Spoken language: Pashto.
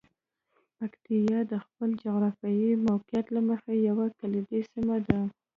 پکتیا د خپل جغرافیايي موقعیت له مخې یوه کلیدي سیمه ده.